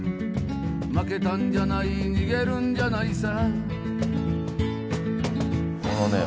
「負けたんじゃない逃げるんじゃないさ」